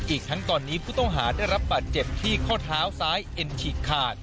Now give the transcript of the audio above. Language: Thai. อีกทั้งตอนนี้ผู้ต้องหาได้รับบาดเจ็บที่ข้อเท้าซ้ายเอ็นฉีกขาด